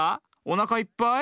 おなかいっぱい？